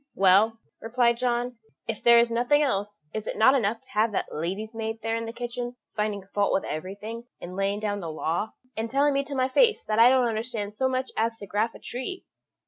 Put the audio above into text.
"Well," replied John, "if there is nothing else, is it not enough to have that lady's maid there in the kitchen finding fault with everything, and laying down the law, and telling me to my face that I don't understand so much as to graff a tree?"